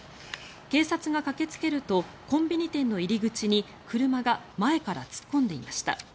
警察が駆けつけるとコンビニ店の入り口に車が前から突っ込んでいました。